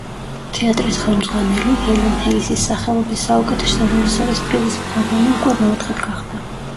თეატრის ხელმძღვანელი, ჰელენ ჰეისის სახელობის საუკეთესო რეჟისორის პრიზის მფლობელი უკვე მეოთხედ გახდა.